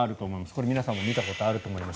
これ、皆さんも見たことあると思います。